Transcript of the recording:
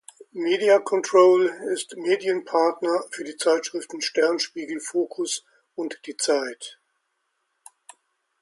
Media Control ist Medienpartner für die Zeitschriften Stern, Spiegel, Focus, und Die Zeit.